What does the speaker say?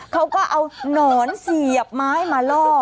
เขาก็เอาหนอนเสียบไม้มาล่อ